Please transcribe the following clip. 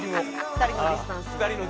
２人のディスタンス。